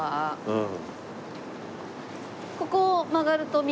うん。